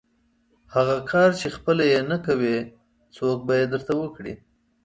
هغه کار چې خپله یې نه کوئ، څوک به یې درته وکړي؟